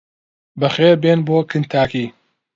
بەخێربێن بۆ کنتاکی!